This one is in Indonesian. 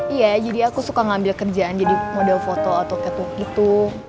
iya jadi aku suka ngambil kerjaan jadi model foto otot ketuk gitu